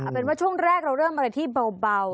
เป็นว่าช่วงแรกเราเริ่มอะไรที่เบา